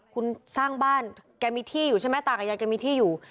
คุณสร้างบ้านแกมีที่อยู่ใช่ไหมตากับยายแกมีที่อยู่